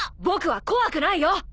僕は怖くないよ。